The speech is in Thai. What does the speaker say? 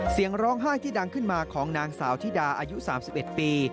เสียงร้องไห้ที่ดังขึ้นมาของนางสาวธิดาอายุ๓๑ปี